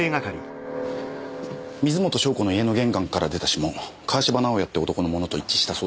水元湘子の家の玄関から出た指紋川芝直哉って男のものと一致したそうです。